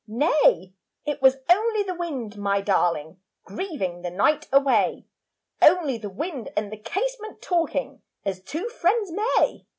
Nay, It was only the wind, my darling, Grieving the night away. Only the wind and the casement Talking as two friends may.